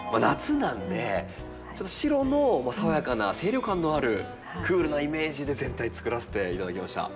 なんで白の爽やかな清涼感のあるクールなイメージで全体作らせて頂きました。